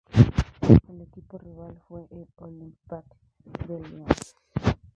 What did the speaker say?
El equipo rival fue el Olympique de Lyon.